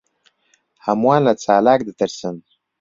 ھەمووان لە چالاک دەترسن.